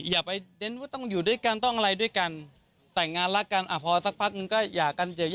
อย่าไปเน้นว่าต้องอยู่ด้วยกันต้องอะไรด้วยกันแต่งงานรักกันอ่ะพอสักพักนึงก็หย่ากันเยอะ